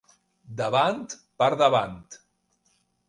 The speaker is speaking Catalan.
Davant per davant.